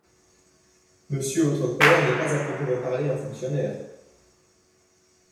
Monsieur votre père n’est pas à proprement parler un fonctionnaire…